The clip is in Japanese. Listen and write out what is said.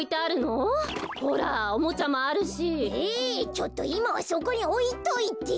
ちょっといまはそこにおいといて。